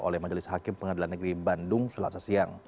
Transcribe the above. oleh majelis hakim pengadilan negeri bandung selasa siang